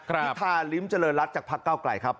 พิธาริมเจริญรัฐจากพักเก้าไกลครับ